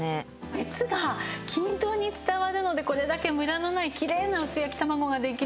熱が均等に伝わるのでこれだけムラのないきれいな薄焼き卵ができるんですね。